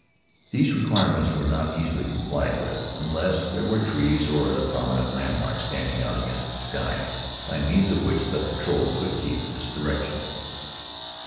These requirements were not easily complied with, unless there were trees or other prominent landmarks standing out against the sky by means of which a patrol could keep its direction.